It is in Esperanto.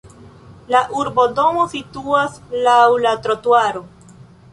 La urbodomo situas laŭ la trotuaro.